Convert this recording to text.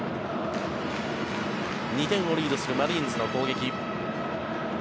２点をリードするマリーンズの攻撃。